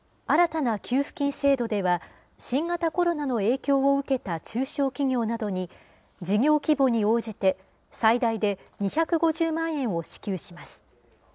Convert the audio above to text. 新たな給付金制度では、新型コロナの影響を受けた中小企業などに、事業規模に応じて、最大で２５０万円を支給します。